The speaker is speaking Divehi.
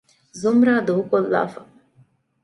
ޒުމްރާ ދޫކޮއްލާފަ